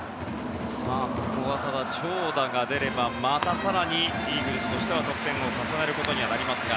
ここはただ、長打が出ればまた更にイーグルスとしては得点を重ねることにはなりますが。